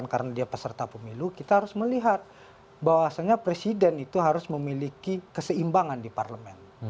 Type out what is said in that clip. karena dia peserta pemilu kita harus melihat bahwasannya presiden itu harus memiliki keseimbangan di parlemen